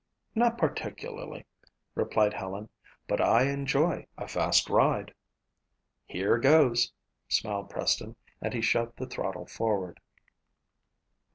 "Not particularly," replied Helen, "but I enjoy a fast ride." "Here goes," smiled Preston and he shoved the throttle forward.